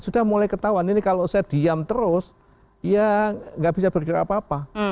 sudah mulai ketahuan ini kalau saya diam terus ya nggak bisa bergerak apa apa